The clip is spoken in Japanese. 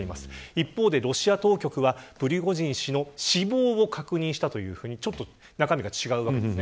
一方でロシア当局はプリゴジン氏の死亡確認をしたというふうに中身が少し違うわけです。